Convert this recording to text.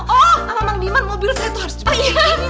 oh sama mang diman mobil saya tuh harus pergi